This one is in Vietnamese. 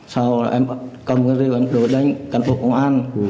sau em cầm rượu em đổi đánh cán bộ công an